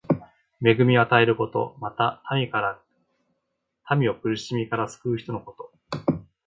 恵みを与えること。また、民を苦しみから救う人のこと。